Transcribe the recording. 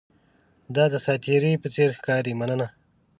دا د ساتیرۍ په څیر ښکاري، مننه!